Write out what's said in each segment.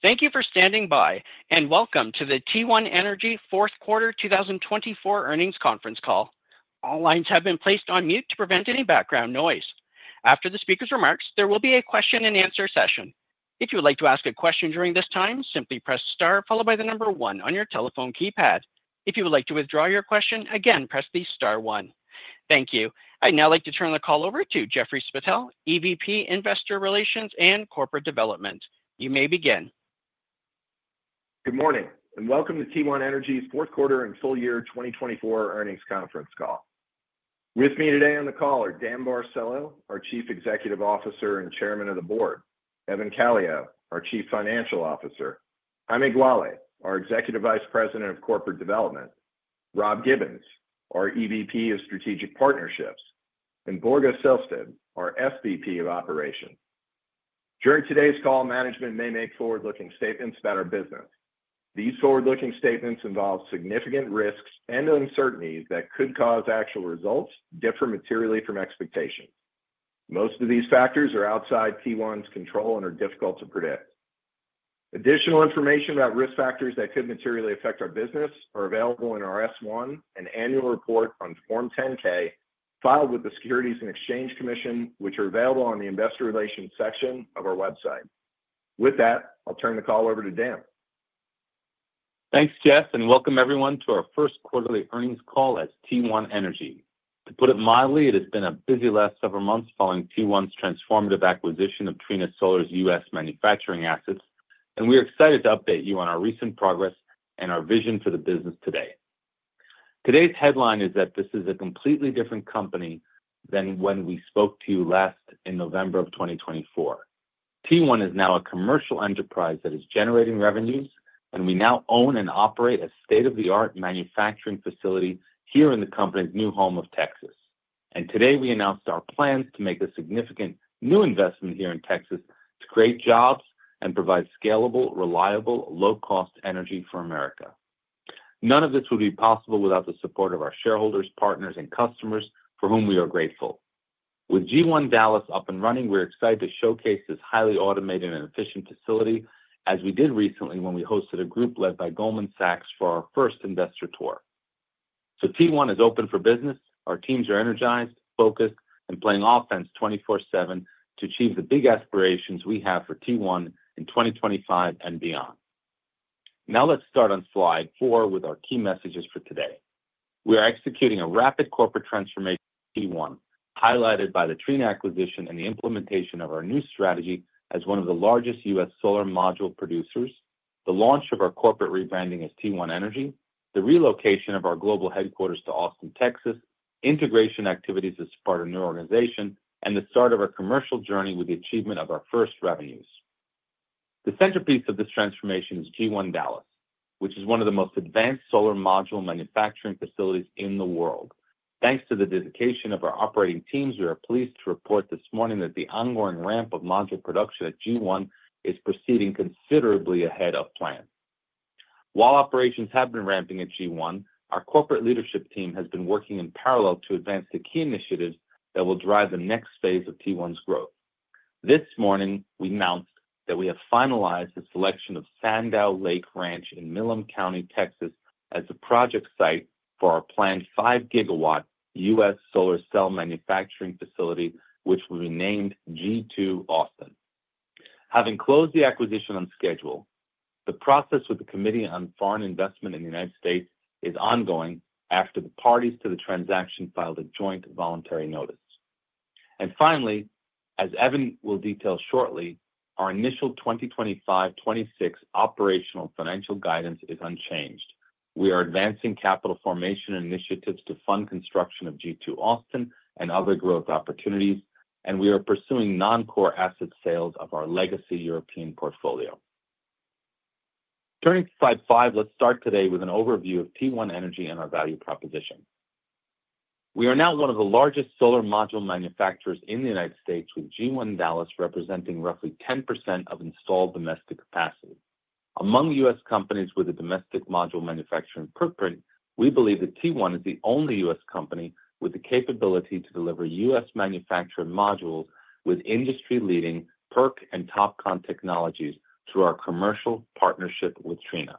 Thank you for standing by, and welcome to the T1 Energy Q4 2024 earnings conference call. All lines have been placed on mute to prevent any background noise. After the speaker's remarks, there will be a question-and-answer session. If you would like to ask a question during this time, simply press * followed by the number 1 on your telephone keypad. If you would like to withdraw your question, again, press *1. Thank you. I'd now like to turn the call over to Jeffrey Spittel, EVP Investor Relations and Corporate Development. You may begin. Good morning, and welcome to T1 Energy's Q4 and full year 2024 earnings conference call. With me today on the call are Dan Barcelo, our Chief Executive Officer and Chairman of the Board; Evan Calio, our Chief Financial Officer; Jaime Gualy, our Executive Vice President of Corporate Development; Rob Gibbons, our EVP of Strategic Partnerships; and Borja Selsted, our SVP of Operations. During today's call, management may make forward-looking statements about our business. These forward-looking statements involve significant risks and uncertainties that could cause actual results to differ materially from expectations. Most of these factors are outside T1's control and are difficult to predict. Additional information about risk factors that could materially affect our business is available in our S-1 and annual report on Form 10-K filed with the Securities and Exchange Commission, which are available on the Investor Relations section of our website. With that, I'll turn the call over to Dan. Thanks, Jeff, and welcome everyone to our first quarterly earnings call at T1 Energy. To put it mildly, it has been a busy last several months following T1's transformative acquisition of Trina Solar's U.S. manufacturing assets, and we are excited to update you on our recent progress and our vision for the business today. Today's headline is that this is a completely different company than when we spoke to you last in November of 2024. T1 is now a commercial enterprise that is generating revenues, and we now own and operate a state-of-the-art manufacturing facility here in the company's new home of Texas. Today, we announced our plans to make a significant new investment here in Texas to create jobs and provide scalable, reliable, low-cost energy for America. None of this would be possible without the support of our shareholders, partners, and customers, for whom we are grateful. With G1 Dallas up and running, we're excited to showcase this highly automated and efficient facility, as we did recently when we hosted a group led by Goldman Sachs for our first investor tour. T1 is open for business. Our teams are energized, focused, and playing offense 24/7 to achieve the big aspirations we have for T1 in 2025 and beyond. Now let's start on slide four with our key messages for today. We are executing a rapid corporate transformation for T1, highlighted by the Trina acquisition and the implementation of our new strategy as one of the largest U.S. solar module producers, the launch of our corporate rebranding as T1 Energy, the relocation of our global headquarters to Austin, Texas, integration activities as part of a new organization, and the start of our commercial journey with the achievement of our first revenues. The centerpiece of this transformation is G1 Dallas, which is one of the most advanced solar module manufacturing facilities in the world. Thanks to the dedication of our operating teams, we are pleased to report this morning that the ongoing ramp of module production at G1 is proceeding considerably ahead of plan. While operations have been ramping at G1, our corporate leadership team has been working in parallel to advance the key initiatives that will drive the next phase of T1's growth. This morning, we announced that we have finalized the selection of Sandow Lake Ranch in Milam County, Texas, as the project site for our planned 5 gigawatt U.S. solar cell manufacturing facility, which will be named G2 Austin. Having closed the acquisition on schedule, the process with the Committee on Foreign Investment in the United States is ongoing after the parties to the transaction filed a joint voluntary notice. Finally, as Evan will detail shortly, our initial 2025-2026 operational financial guidance is unchanged. We are advancing capital formation initiatives to fund construction of G2 Austin and other growth opportunities, and we are pursuing non-core asset sales of our legacy European portfolio. Turning to slide five, let's start today with an overview of T1 Energy and our value proposition. We are now one of the largest solar module manufacturers in the United States, with G1 Dallas representing roughly 10% of installed domestic capacity. Among U.S. companies with a domestic module manufacturing footprint, we believe that T1 is the only U.S. company with the capability to deliver U.S. manufactured modules with industry-leading PERC and TOPCon technologies through our commercial partnership with Trina.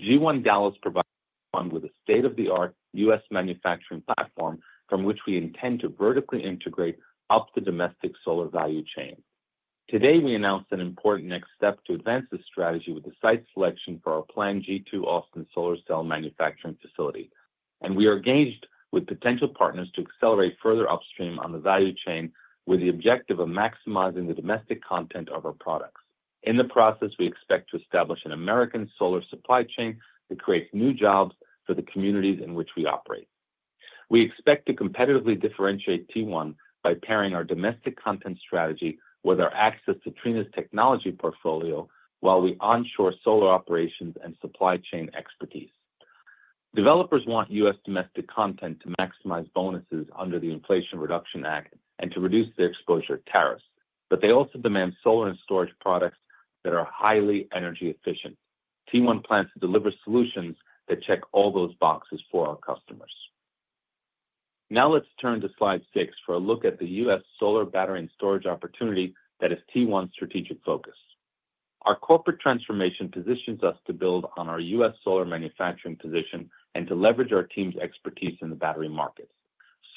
G1 Dallas provides T1 with a state-of-the-art U.S. manufacturing platform from which we intend to vertically integrate up the domestic solar value chain. Today, we announced an important next step to advance this strategy with the site selection for our planned G2 Austin solar cell manufacturing facility, and we are engaged with potential partners to accelerate further upstream on the value chain with the objective of maximizing the domestic content of our products. In the process, we expect to establish an American solar supply chain that creates new jobs for the communities in which we operate. We expect to competitively differentiate T1 by pairing our domestic content strategy with our access to Trina's technology portfolio while we onshore solar operations and supply chain expertise. Developers want U.S. domestic content to maximize bonuses under the Inflation Reduction Act and to reduce their exposure to tariffs, but they also demand solar and storage products that are highly energy efficient. T1 plans to deliver solutions that check all those boxes for our customers. Now let's turn to slide six for a look at the U.S. solar battery and storage opportunity that is T1's strategic focus. Our corporate transformation positions us to build on our U.S. solar manufacturing position and to leverage our team's expertise in the battery markets.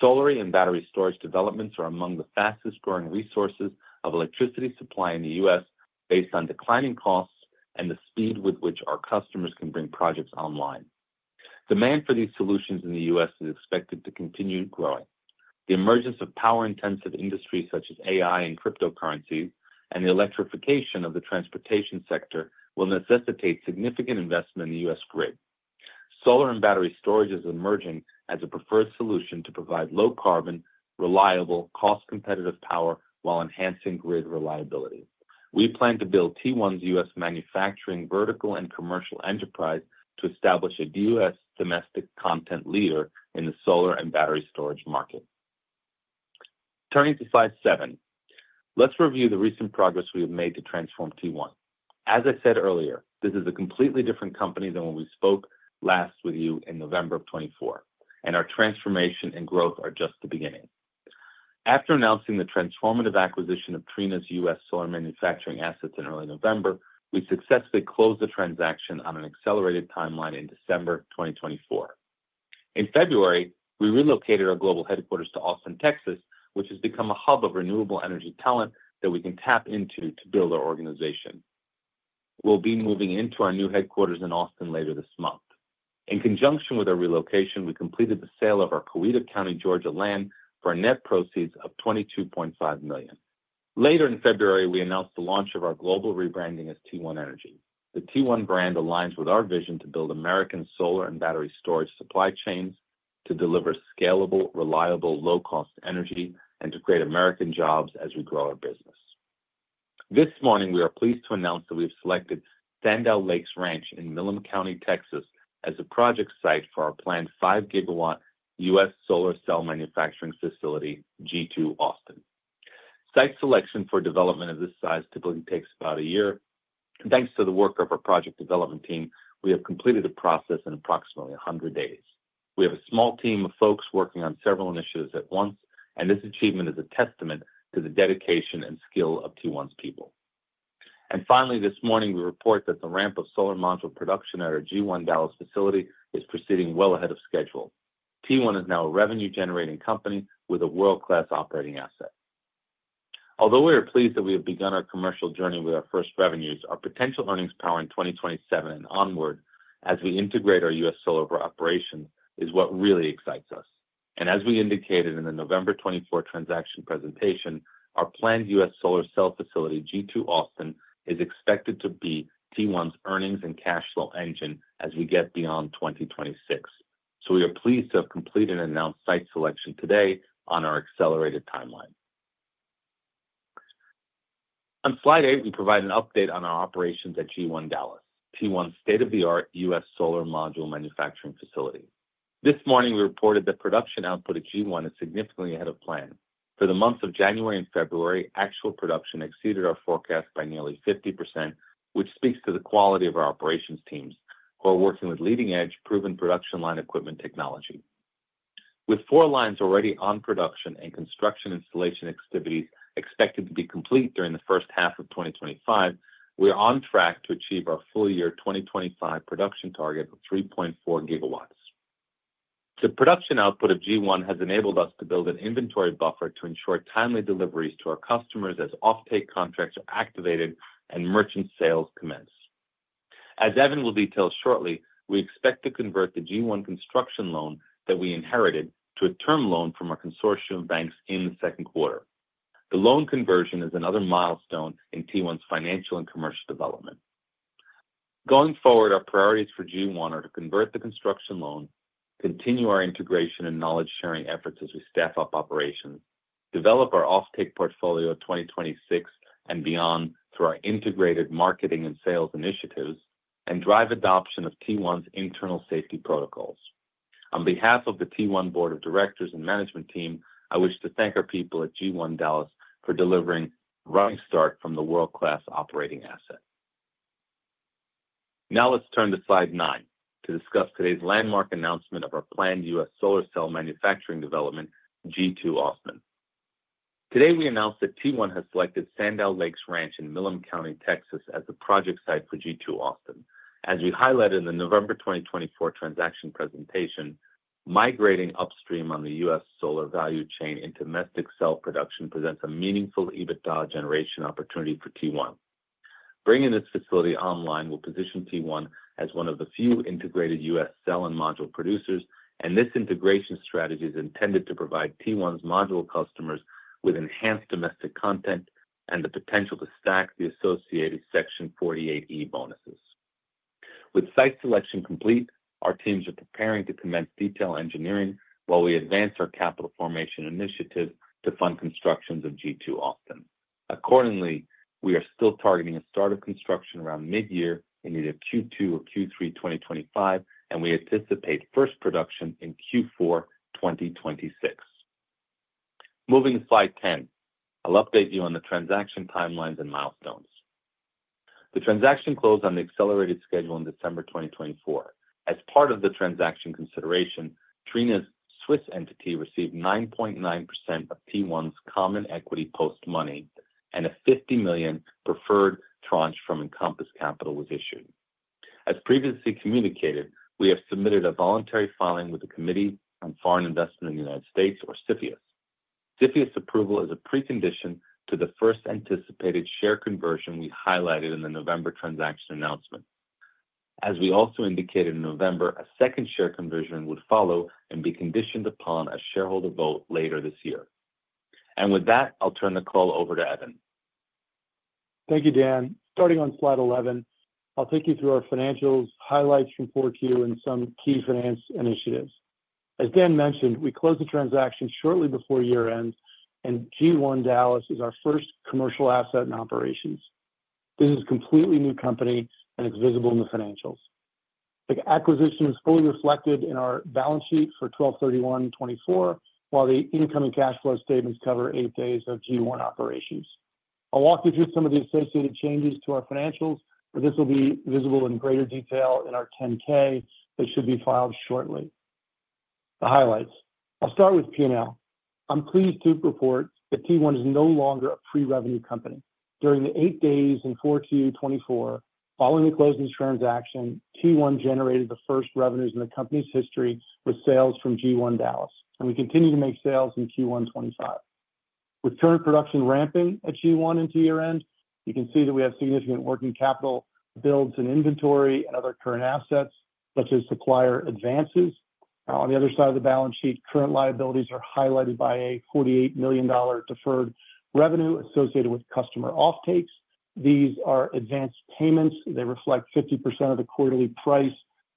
Solar and battery storage developments are among the fastest-growing resources of electricity supply in the U.S., based on declining costs and the speed with which our customers can bring projects online. Demand for these solutions in the U.S. is expected to continue growing. The emergence of power-intensive industries such as AI and cryptocurrencies and the electrification of the transportation sector will necessitate significant investment in the U.S. grid. Solar and battery storage is emerging as a preferred solution to provide low-carbon, reliable, cost-competitive power while enhancing grid reliability. We plan to build T1's U.S. manufacturing vertical and commercial enterprise to establish a U.S. Domestic content leader in the solar and battery storage market. Turning to slide seven, let's review the recent progress we have made to transform T1. As I said earlier, this is a completely different company than when we spoke last with you in November of 2024, and our transformation and growth are just the beginning. After announcing the transformative acquisition of Trina's U.S. solar manufacturing assets in early November, we successfully closed the transaction on an accelerated timeline in December 2024. In February, we relocated our global headquarters to Austin, Texas, which has become a hub of renewable energy talent that we can tap into to build our organization. We'll be moving into our new headquarters in Austin later this month. In conjunction with our relocation, we completed the sale of our Coweta County, Georgia, land for a net proceeds of $22.5 million. Later in February, we announced the launch of our global rebranding as T1 Energy. The T1 brand aligns with our vision to build American solar and battery storage supply chains, to deliver scalable, reliable, low-cost energy, and to create American jobs as we grow our business. This morning, we are pleased to announce that we have selected Sandow Lake Ranch in Milam County, Texas, as a project site for our planned 5 gigawatt U.S. solar cell manufacturing facility, G2 Austin. Site selection for development of this size typically takes about a year. Thanks to the work of our project development team, we have completed the process in approximately 100 days. We have a small team of folks working on several initiatives at once, and this achievement is a testament to the dedication and skill of T1's people. Finally, this morning, we report that the ramp of solar module production at our G1 Dallas facility is proceeding well ahead of schedule. T1 is now a revenue-generating company with a world-class operating asset. Although we are pleased that we have begun our commercial journey with our first revenues, our potential earnings power in 2027 and onward as we integrate our U.S. solar operations is what really excites us. As we indicated in the November 2024 transaction presentation, our planned U.S. solar cell facility, G2 Austin, is expected to be T1's earnings and cash flow engine as we get beyond 2026. We are pleased to have completed and announced site selection today on our accelerated timeline. On slide eight, we provide an update on our operations at G1 Dallas, T1's state-of-the-art U.S. solar module manufacturing facility. This morning, we reported that production output at G1 is significantly ahead of plan. For the months of January and February, actual production exceeded our forecast by nearly 50%, which speaks to the quality of our operations teams who are working with leading-edge, proven production line equipment technology. With four lines already on production and construction installation activities expected to be complete during the first half of 2025, we are on track to achieve our full year 2025 production target of 3.4 GW. The production output of G1 has enabled us to build an inventory buffer to ensure timely deliveries to our customers as off-take contracts are activated and merchant sales commence. As Evan will detail shortly, we expect to convert the G1 construction loan that we inherited to a term loan from our consortium banks in the second quarter. The loan conversion is another milestone in T1's financial and commercial development. Going forward, our priorities for G1 are to convert the construction loan, continue our integration and knowledge-sharing efforts as we staff up operations, develop our off-take portfolio of 2026 and beyond through our integrated marketing and sales initiatives, and drive adoption of T1's internal safety protocols. On behalf of the T1 Board of Directors and Management Team, I wish to thank our people at G1 Dallas for delivering a running start from the world-class operating asset. Now let's turn to slide nine to discuss today's landmark announcement of our planned U.S. solar cell manufacturing development, G2 Austin. Today, we announced that T1 has selected Sandow Lake Ranch in Milam County, Texas, as the project site for G2 Austin. As we highlighted in the November 2024 transaction presentation, migrating upstream on the U.S. Solar value chain into domestic cell production presents a meaningful EBITDA generation opportunity for T1. Bringing this facility online will position T1 as one of the few integrated U.S. cell and module producers, and this integration strategy is intended to provide T1's module customers with enhanced domestic content and the potential to stack the associated Section 48E bonuses. With site selection complete, our teams are preparing to commence detail engineering while we advance our capital formation initiative to fund construction of G2 Austin. Accordingly, we are still targeting a start of construction around mid-year in either Q2 or Q3 2025, and we anticipate first production in Q4 2026. Moving to slide 10, I'll update you on the transaction timelines and milestones. The transaction closed on the accelerated schedule in December 2024. As part of the transaction consideration, Trina's Swiss entity received 9.9% of T1's common equity post money, and a $50 million preferred tranche from Encompass Capital was issued. As previously communicated, we have submitted a voluntary filing with the Committee on Foreign Investment in the United States, or CFIUS. CFIUS approval is a precondition to the first anticipated share conversion we highlighted in the November transaction announcement. As we also indicated in November, a second share conversion would follow and be conditioned upon a shareholder vote later this year. With that, I'll turn the call over to Evan. Thank you, Dan. Starting on slide 11, I'll take you through our financials highlights from 4Q and some key finance initiatives. As Dan mentioned, we close the transaction shortly before year-end, and G1 Dallas is our first commercial asset in operations. This is a completely new company, and it's visible in the financials. The acquisition is fully reflected in our balance sheet for 12/31/2024, while the incoming cash flow statements cover eight days of G1 operations. I'll walk you through some of the associated changes to our financials, but this will be visible in greater detail in our 10-K that should be filed shortly. The highlights. I'll start with P&L. I'm pleased to report that T1 is no longer a pre-revenue company. During the eight days in Q4 2024, following the closing transaction, T1 generated the first revenues in the company's history with sales from G1 Dallas, and we continue to make sales in Q1 2025. With current production ramping at G1 into year-end, you can see that we have significant working capital builds in inventory and other current assets, such as supplier advances. On the other side of the balance sheet, current liabilities are highlighted by a $48 million deferred revenue associated with customer off-takes. These are advanced payments. They reflect 50% of the quarterly price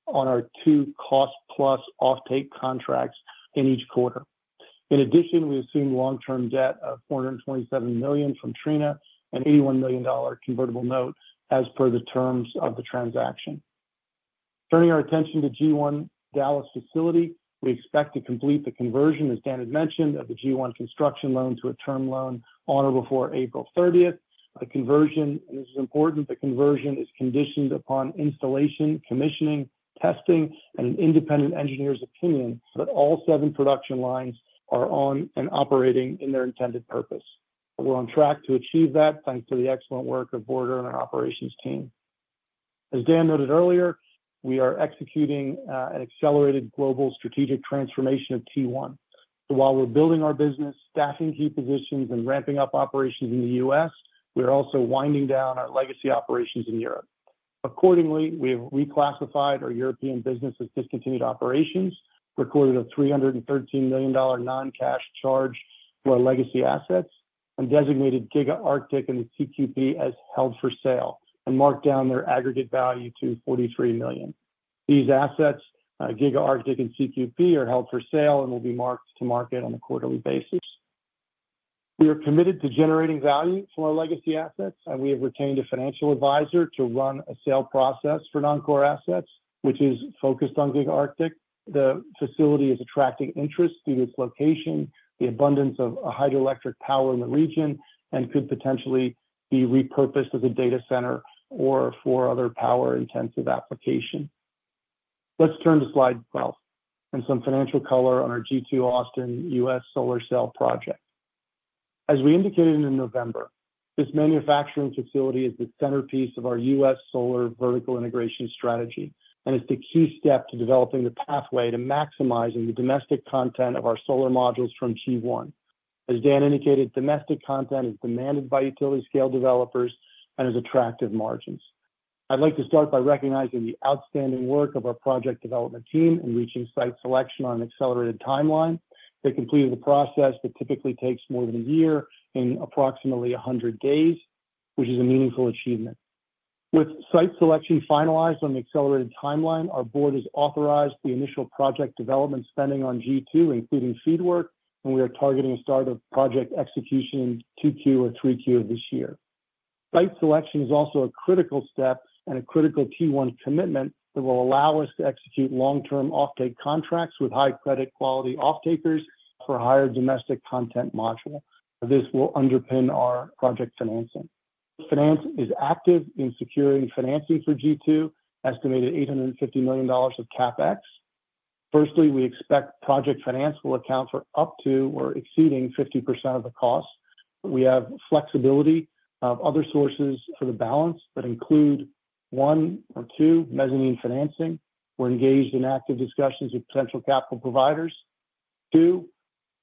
on our two cost-plus off-take contracts in each quarter. In addition, we assume long-term debt of $427 million from Trina and an $81 million convertible note as per the terms of the transaction. Turning our attention to G1 Dallas facility, we expect to complete the conversion, as Dan had mentioned, of the G1 construction loan to a term loan on or before April 30. The conversion, and this is important, the conversion is conditioned upon installation, commissioning, testing, and an independent engineer's opinion that all seven production lines are on and operating in their intended purpose. We're on track to achieve that thanks to the excellent work of Borja and our operations team. As Dan noted earlier, we are executing an accelerated global strategic transformation of T1. While we're building our business, staffing key positions, and ramping up operations in the U.S., we are also winding down our legacy operations in Europe. Accordingly, we have reclassified our European business as discontinued operations, recorded a $313 million non-cash charge for our legacy assets, and designated Giga Arctic and the CQP as held for sale, and marked down their aggregate value to $43 million. These assets, Giga Arctic and CQP, are held for sale and will be marked to market on a quarterly basis. We are committed to generating value from our legacy assets, and we have retained a financial advisor to run a sale process for non-core assets, which is focused on Giga Arctic. The facility is attracting interest due to its location, the abundance of hydroelectric power in the region, and could potentially be repurposed as a data center or for other power-intensive applications. Let's turn to slide 12 and some financial color on our G2 Austin U.S. solar cell project. As we indicated in November, this manufacturing facility is the centerpiece of our U.S. solar vertical integration strategy and is the key step to developing the pathway to maximizing the domestic content of our solar modules from T1. As Dan indicated, domestic content is demanded by utility-scale developers and has attractive margins. I'd like to start by recognizing the outstanding work of our project development team in reaching site selection on an accelerated timeline. They completed the process that typically takes more than a year in approximately 100 days, which is a meaningful achievement. With site selection finalized on the accelerated timeline, our board has authorized the initial project development spending on G2, including Feedwork, and we are targeting a start of project execution in 2Q or 3Q of this year. Site selection is also a critical step and a critical T1 commitment that will allow us to execute long-term off-take contracts with high-credit quality off-takers for higher domestic content module. This will underpin our project financing. Finance is active in securing financing for G2, estimated $850 million of CapEx. Firstly, we expect project finance will account for up to or exceeding 50% of the cost. We have flexibility of other sources for the balance that include one or two, mezzanine financing. We are engaged in active discussions with potential capital providers. Two,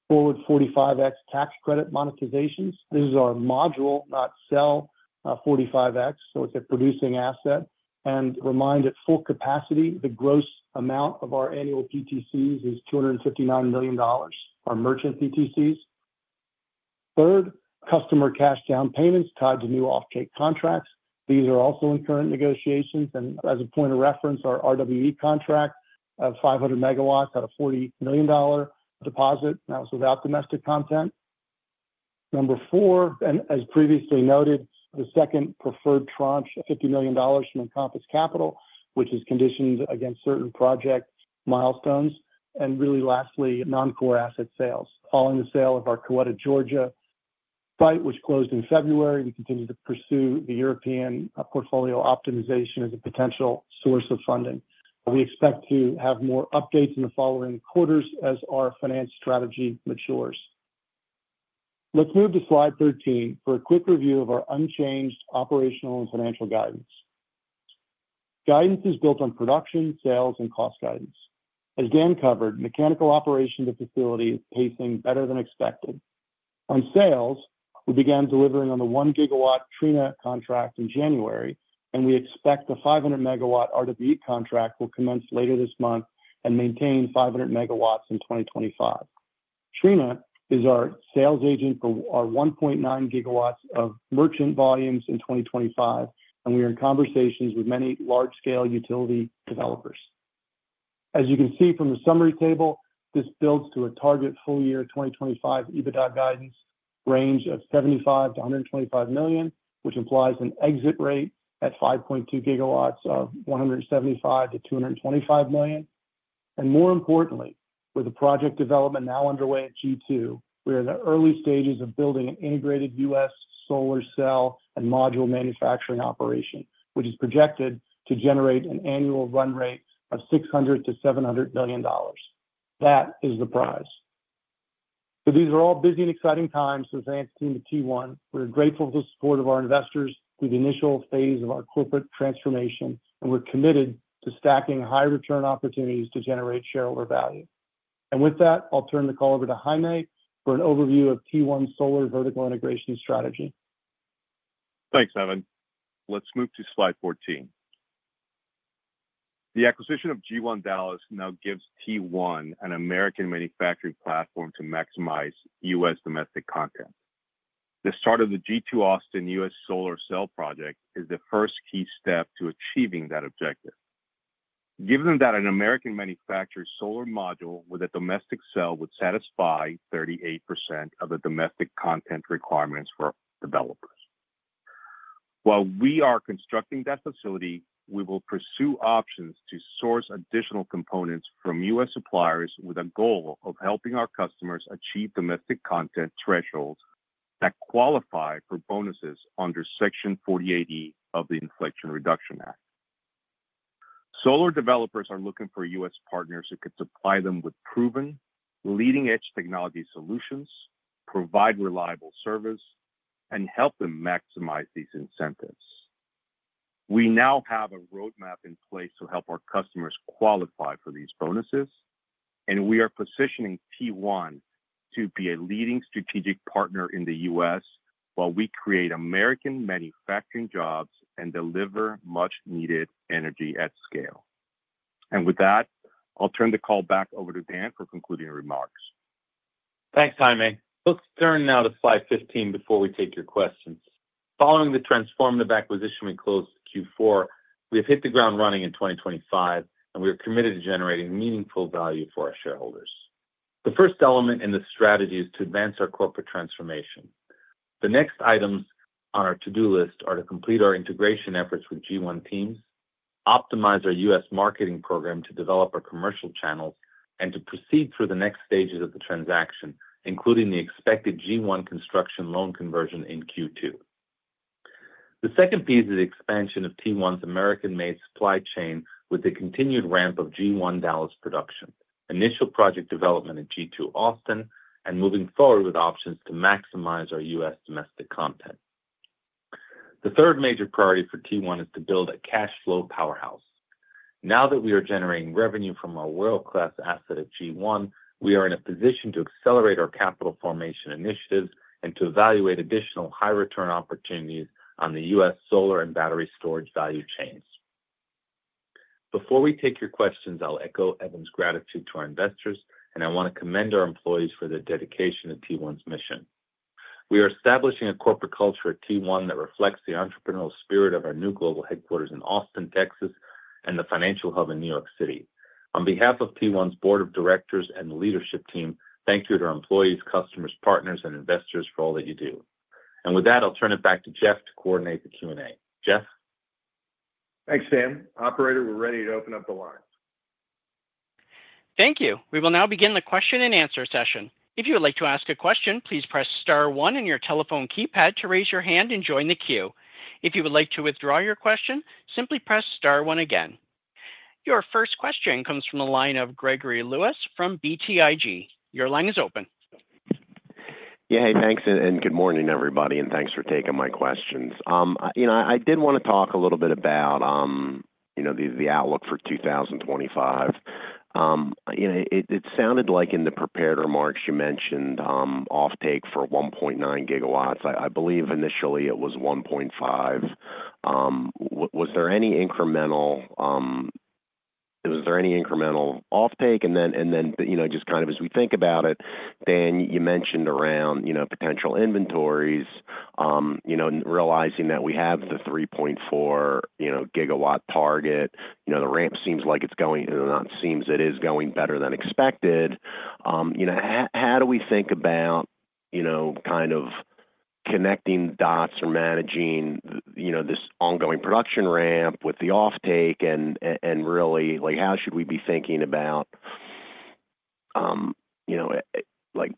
forward 45X tax credit monetizations. This is our module, not cell 45X, so it is a producing asset. Remind at full capacity, the gross amount of our annual PTCs is $259 million, our merchant PTCs. Third, customer cash down payments tied to new off-take contracts. These are also in current negotiations. As a point of reference, our RWE contract of 500 megawatts had a $40 million deposit. That was without domestic content. Number four, and as previously noted, the second preferred tranche, $50 million from Encompass Capital, which is conditioned against certain project milestones. Really lastly, non-core asset sales. Following the sale of our Coweta County, Georgia site, which closed in February, we continue to pursue the European portfolio optimization as a potential source of funding. We expect to have more updates in the following quarters as our finance strategy matures. Let's move to slide 13 for a quick review of our unchanged operational and financial guidance. Guidance is built on production, sales, and cost guidance. As Dan covered, mechanical operation of the facility is pacing better than expected. On sales, we began delivering on the 1 gigawatt Trina contract in January, and we expect the 500 megawatt RWE contract will commence later this month and maintain 500 megawatts in 2025. Trina is our sales agent for our 1.9 gigawatts of merchant volumes in 2025, and we are in conversations with many large-scale utility developers. As you can see from the summary table, this builds to a target full year 2025 EBITDA guidance range of $75-$125 million, which implies an exit rate at 5.2 gigawatts of $175-$225 million. More importantly, with the project development now underway at G2, we are in the early stages of building an integrated U.S. solar cell and module manufacturing operation, which is projected to generate an annual run rate of $600-$700 million. That is the prize. These are all busy and exciting times for the finance team at T1. We're grateful for the support of our investors through the initial phase of our corporate transformation, and we're committed to stacking high-return opportunities to generate shareholder value. With that, I'll turn the call over to Jaime for an overview of T1's solar vertical integration strategy. Thanks, Evan. Let's move to slide 14. The acquisition of G1 Dallas now gives T1 an American manufacturing platform to maximize U.S. domestic content. The start of the G2 Austin U.S. solar cell project is the first key step to achieving that objective. Given that an American-manufactured solar module with a domestic cell would satisfy 38% of the domestic content requirements for developers. While we are constructing that facility, we will pursue options to source additional components from U.S. Suppliers with a goal of helping our customers achieve domestic content thresholds that qualify for bonuses under Section 48E of the Inflation Reduction Act. Solar developers are looking for U.S. partners who could supply them with proven, leading-edge technology solutions, provide reliable service, and help them maximize these incentives. We now have a roadmap in place to help our customers qualify for these bonuses, and we are positioning T1 to be a leading strategic partner in the U.S. while we create American manufacturing jobs and deliver much-needed energy at scale. I will turn the call back over to Dan for concluding remarks. Thanks, Jaime. Let's turn now to slide 15 before we take your questions. Following the transformative acquisition we closed Q4, we have hit the ground running in 2025, and we are committed to generating meaningful value for our shareholders. The first element in the strategy is to advance our corporate transformation. The next items on our to-do list are to complete our integration efforts with G1 teams, optimize our U.S. marketing program to develop our commercial channels, and to proceed through the next stages of the transaction, including the expected G1 construction loan conversion in Q2. The second piece is the expansion of T1's American-made supply chain with the continued ramp of G1 Dallas production, initial project development at G2 Austin, and moving forward with options to maximize our U.S. domestic content. The third major priority for T1 is to build a cash flow powerhouse. Now that we are generating revenue from our world-class asset at G1, we are in a position to accelerate our capital formation initiatives and to evaluate additional high-return opportunities on the U.S. solar and battery storage value chains. Before we take your questions, I'll echo Evan's gratitude to our investors, and I want to commend our employees for their dedication to T1's mission. We are establishing a corporate culture at T1 that reflects the entrepreneurial spirit of our new global headquarters in Austin, Texas, and the financial hub in New York City. On behalf of T1's board of directors and the leadership team, thank you to our employees, customers, partners, and investors for all that you do. With that, I'll turn it back to Jeff to coordinate the Q&A. Jeff? Thanks, Dan. Operator, we're ready to open up the line. Thank you. We will now begin the question-and-answer session. If you would like to ask a question, please press star one on your telephone keypad to raise your hand and join the queue. If you would like to withdraw your question, simply press star one again. Your first question comes from the line of Gregory Lewis from BTIG. Your line is open. Yeah, hey, thanks, and good morning, everybody, and thanks for taking my questions. You know, I did want to talk a little bit about the outlook for 2025. It sounded like in the prepared remarks you mentioned off-take for 1.9 gigawatts. I believe initially it was 1.5. Was there any incremental off-take? Just kind of as we think about it, Dan, you mentioned around potential inventories, realizing that we have the 3.4 gigawatt target. The ramp seems like it's going, and it seems it is going better than expected. How do we think about kind of connecting dots or managing this ongoing production ramp with the off-take? Really, how should we be thinking about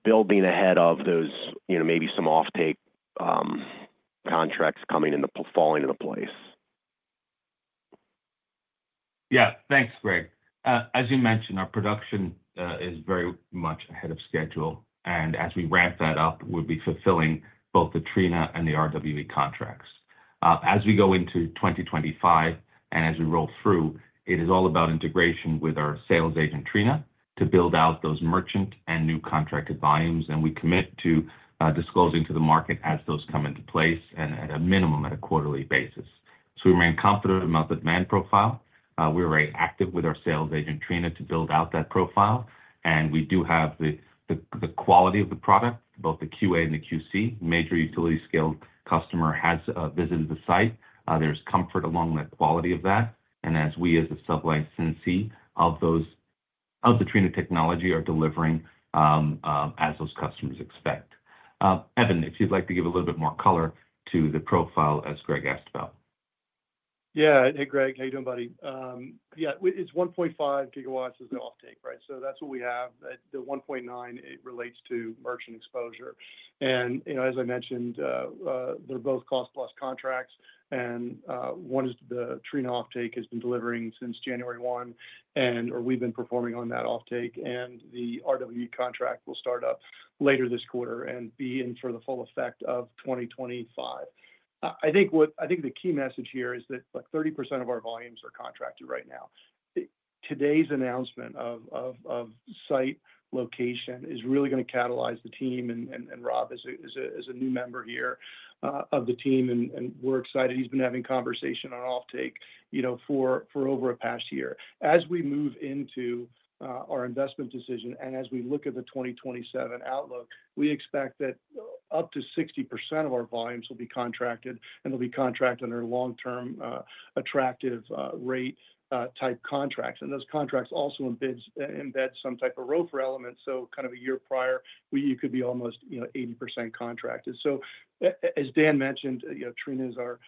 building ahead of those, maybe some off-take contracts coming into falling into place? Yeah, thanks, Greg. As you mentioned, our production is very much ahead of schedule. As we ramp that up, we will be fulfilling both the Trina and the RWE contracts. As we go into 2025 and as we roll through, it is all about integration with our sales agent, Trina, to build out those merchant and new contracted volumes. We commit to disclosing to the market as those come into place and at a minimum at a quarterly basis. We remain confident about the demand profile. We are very active with our sales agent, Trina, to build out that profile. We do have the quality of the product, both the QA and the QC. Major utility-scale customer has visited the site. There is comfort along the quality of that. As we as the sublicensee of the Trina technology are delivering as those customers expect. Evan, if you'd like to give a little bit more color to the profile as Greg asked about. Yeah, hey, Greg, how are you doing, buddy? Yeah, it's 1.5 gigawatts as an off-take, right? So that's what we have. The 1.9, it relates to merchant exposure. As I mentioned, they're both cost-plus contracts. One is the Trina off-take, has been delivering since January 1, and we've been performing on that off-take. The RWE contract will start up later this quarter and be in for the full effect of 2025. I think the key message here is that 30% of our volumes are contracted right now. Today's announcement of site location is really going to catalyze the team, and Rob is a new member here of the team. We're excited. He's been having conversation on off-take for over a past year. As we move into our investment decision and as we look at the 2027 outlook, we expect that up to 60% of our volumes will be contracted, and they'll be contracted under long-term attractive rate-type contracts. Those contracts also embed some type of ROFR element. Kind of a year prior, you could be almost 80% contracted. As Dan mentioned, Trina is our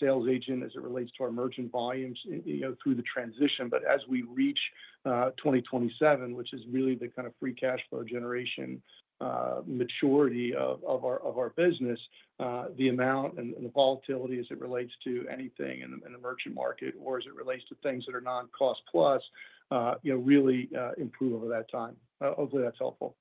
sales agent as it relates to our merchant volumes through the transition. As we reach 2027, which is really the kind of free cash flow generation maturity of our business, the amount and the volatility as it relates to anything in the merchant market or as it relates to things that are non-cost-plus really improve over that time. Hopefully, that's helpful.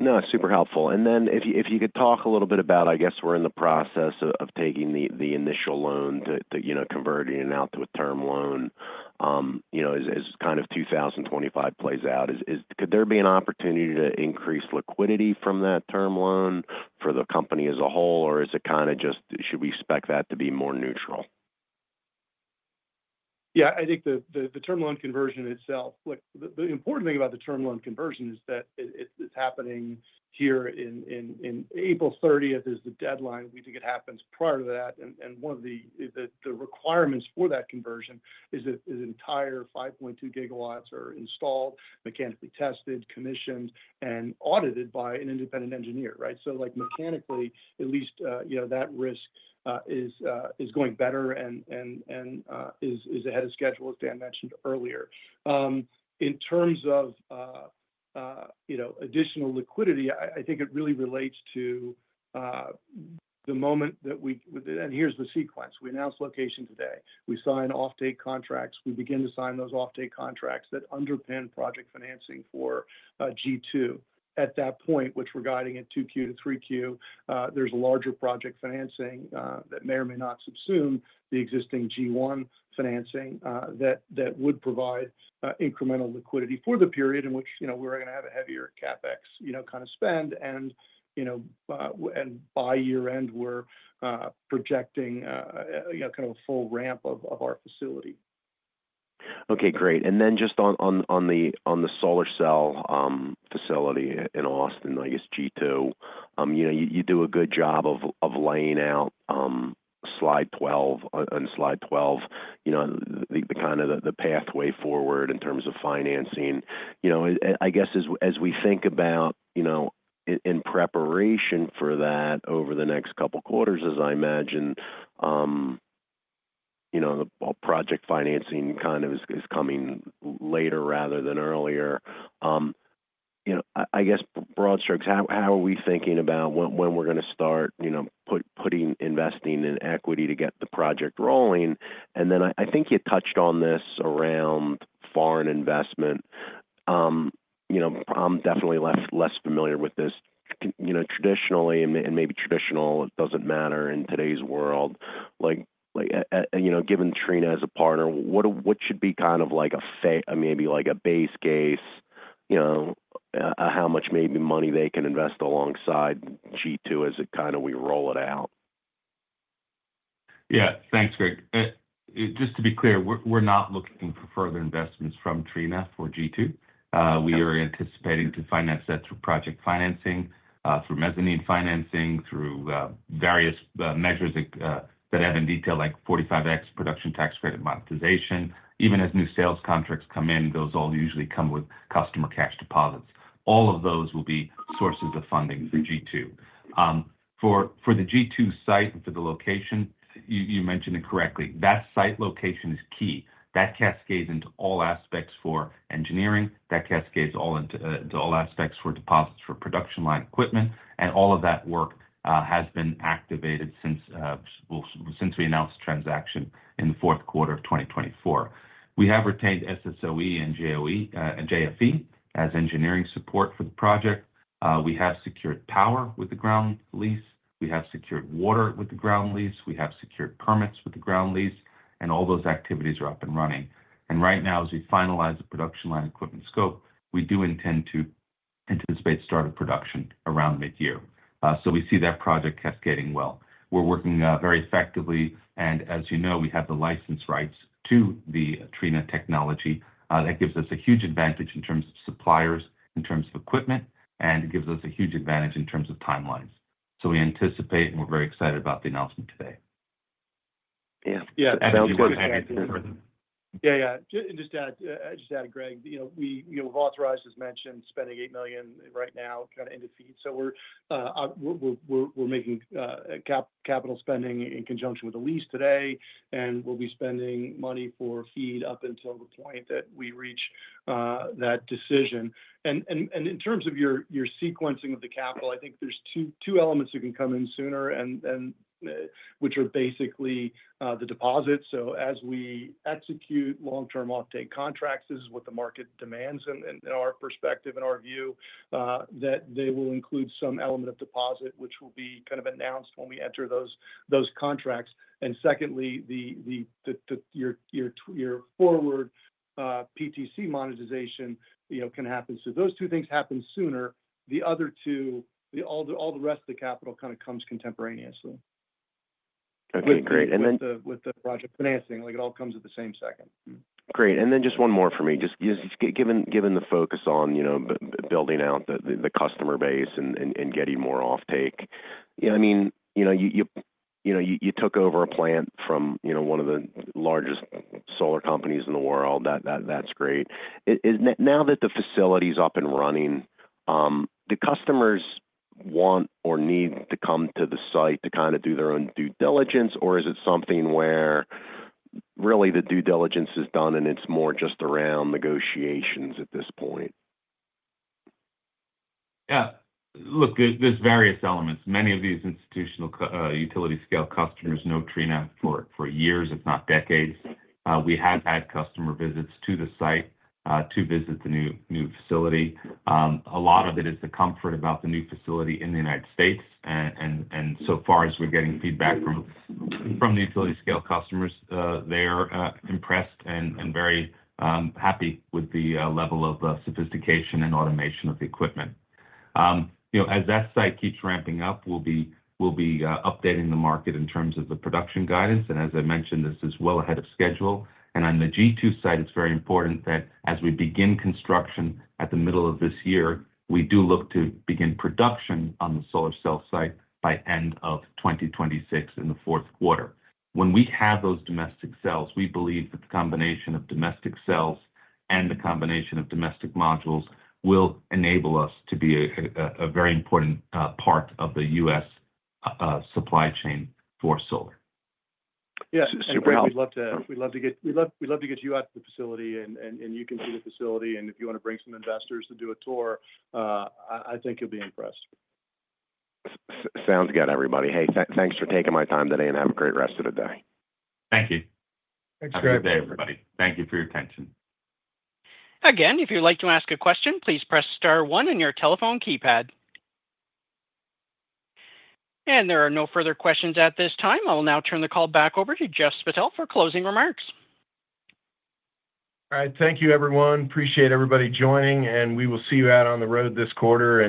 No, it's super helpful. If you could talk a little bit about, I guess we're in the process of taking the initial loan to converting it out to a term loan as kind of 2025 plays out. Could there be an opportunity to increase liquidity from that term loan for the company as a whole, or is it kind of just should we expect that to be more neutral? I think the term loan conversion itself, the important thing about the term loan conversion is that it's happening here in April 30 is the deadline. We think it happens prior to that. One of the requirements for that conversion is that entire 5.2 gigawatts are installed, mechanically tested, commissioned, and audited by an independent engineer, right? Mechanically, at least that risk is going better and is ahead of schedule, as Dan mentioned earlier. In terms of additional liquidity, I think it really relates to the moment that we—and here's the sequence. We announce location today. We sign off-take contracts. We begin to sign those off-take contracts that underpin project financing for G2. At that point, which we're guiding at 2Q to 3Q, there's a larger project financing that may or may not subsume the existing G1 financing that would provide incremental liquidity for the period in which we're going to have a heavier CapEx kind of spend. By year-end, we're projecting kind of a full ramp of our facility. Okay, great. Just on the solar cell facility in Austin, I guess G2, you do a good job of laying out slide 12 and slide 12, the kind of the pathway forward in terms of financing. I guess as we think about in preparation for that over the next couple of quarters, as I imagine, project financing kind of is coming later rather than earlier. I guess broad strokes, how are we thinking about when we're going to start putting investing in equity to get the project rolling? I think you touched on this around foreign investment. I'm definitely less familiar with this. Traditionally, and maybe traditional, it doesn't matter in today's world. Given Trina as a partner, what should be kind of like a maybe like a base case of how much maybe money they can invest alongside G2 as kind of we roll it out? Yeah, thanks, Greg. Just to be clear, we're not looking for further investments from Trina for G2. We are anticipating to finance that through project financing, through mezzanine financing, through various measures that have in detail like 45X production tax credit monetization. Even as new sales contracts come in, those all usually come with customer cash deposits. All of those will be sources of funding for G2. For the G2 site and for the location, you mentioned it correctly. That site location is key. That cascades into all aspects for engineering. That cascades all into all aspects for deposits for production line equipment. All of that work has been activated since we announced the transaction in the fourth quarter of 2024. We have retained SSOE and JFE as engineering support for the project. We have secured power with the ground lease. We have secured water with the ground lease. We have secured permits with the ground lease. All those activities are up and running. Right now, as we finalize the production line equipment scope, we do intend to anticipate start of production around mid-year. We see that project cascading well. We're working very effectively. As you know, we have the license rights to the Trina technology that gives us a huge advantage in terms of suppliers, in terms of equipment, and gives us a huge advantage in terms of timelines. We anticipate, and we're very excited about the announcement today. Yeah, that sounds good. Yeah, yeah. Just to add, Greg, we've authorized, as mentioned, spending $8 million right now kind of into feed. We're making capital spending in conjunction with the lease today. We'll be spending money for feed up until the point that we reach that decision. In terms of your sequencing of the capital, I think there are two elements that can come in sooner, which are basically the deposits. As we execute long-term off-take contracts, this is what the market demands in our perspective, in our view, that they will include some element of deposit, which will be kind of announced when we enter those contracts. Secondly, your forward PTC monetization can happen. Those two things happen sooner. The other two, all the rest of the capital kind of comes contemporaneously. With the project financing, it all comes at the same second. Great. Just one more for me. Just given the focus on building out the customer base and getting more off-take, I mean, you took over a plant from one of the largest solar companies in the world. That's great. Now that the facility is up and running, the customers want or need to come to the site to kind of do their own due diligence, or is it something where really the due diligence is done and it is more just around negotiations at this point? Yeah. Look, there are various elements. Many of these institutional utility-scale customers know Trina for years, if not decades. We have had customer visits to the site to visit the new facility. A lot of it is the comfort about the new facility in the United States. As far as we are getting feedback from the utility-scale customers, they are impressed and very happy with the level of sophistication and automation of the equipment. As that site keeps ramping up, we will be updating the market in terms of the production guidance. As I mentioned, this is well ahead of schedule. On the G2 side, it's very important that as we begin construction at the middle of this year, we do look to begin production on the solar cell site by end of 2026 in the fourth quarter. When we have those domestic cells, we believe that the combination of domestic cells and the combination of domestic modules will enable us to be a very important part of the U.S. supply chain for solar. Yeah, super helpful. We'd love to get you at the facility, and you can see the facility. If you want to bring some investors to do a tour, I think you'll be impressed. Sounds good, everybody. Hey, thanks for taking my time today and have a great rest of the day. Thank you. Have a good day, everybody. Thank you for your attention. Again, if you'd like to ask a question, please press star one on your telephone keypad. There are no further questions at this time. I'll now turn the call back over to Jeff Spittel for closing remarks. All right. Thank you, everyone. Appreciate everybody joining. We will see you out on the road this quarter.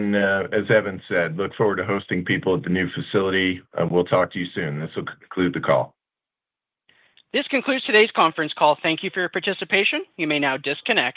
As Evan said, look forward to hosting people at the new facility. We'll talk to you soon. This will conclude the call. This concludes today's conference call. Thank you for your participation. You may now disconnect.